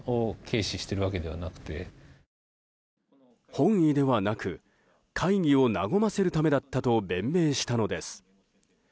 本意ではなく会議を和ませるためだったと弁明したのです。